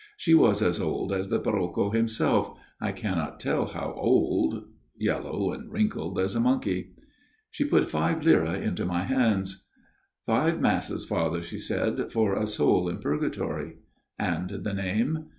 She was as old as the parrocho himself I cannot tell how old yellow and wrinkled as a monkey. " She put five lire into my hands. "* Five Masses, Father,* she said, * for a soul in purgatory.' "' And the name